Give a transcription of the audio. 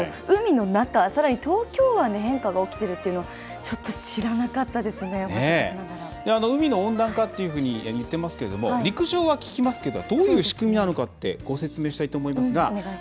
海の中、さらに東京湾で変化が起きているっていうのは海の温暖化というふうに言ってますけれども陸上は聞きますけどどういう仕組みなのかってご説明したいと思いますが。